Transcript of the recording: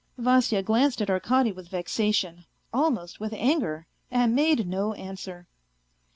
Vasya glanced at Arkady with vexation, almost with anger, and made no answer.